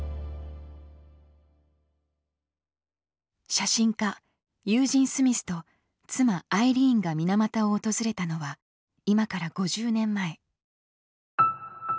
写真家ユージン・スミスと妻アイリーンが水俣を訪れたのは今から５０年前。